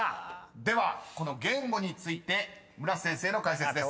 ［ではこの言語について村瀬先生の解説です。